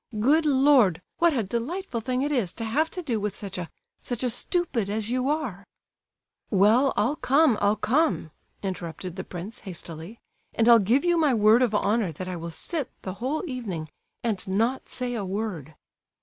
Good Lord! What a delightful thing it is to have to do with such a—such a stupid as you are!" "Well, I'll come, I'll come," interrupted the prince, hastily, "and I'll give you my word of honour that I will sit the whole evening and not say a word."